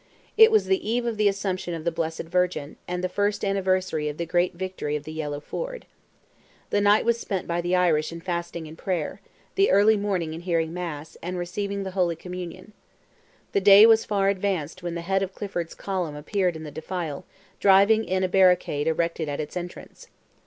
It was the eve of the Assumption of the Blessed Virgin, and the first anniversary of the great victory of the Yellow Ford. The night was spent by the Irish in fasting and prayer, the early morning in hearing Mass, and receiving the Holy Communion. The day was far advanced when the head of Clifford's column appeared in the defile, driving in a barricade erected at its entrance.